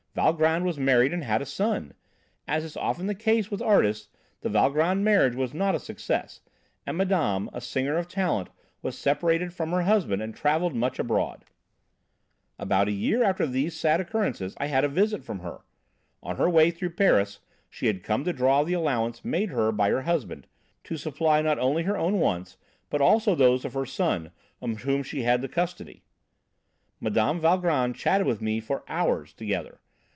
"Valgrand was married and had a son. As is often the case with artists, the Valgrand marriage was not a success, and madame, a singer of talent, was separated from her husband, and travelled much abroad. "About a year after these sad occurrences I had a visit from her. On her way through Paris, she had come to draw the allowance made her by her husband, to supply not only her own wants, but also those of her son, of whom she had the custody. Mme. Valgrand chatted with me for hours together.